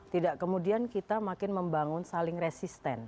tidak kemudian kita makin membangun saling resisten